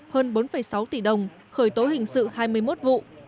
hơn bốn sáu tỷ đồng khởi tố hình sự hai mươi một vụ